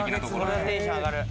これはテンション上がる。